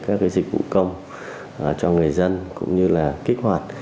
các dịch vụ công cho người dân cũng như là kích hoạt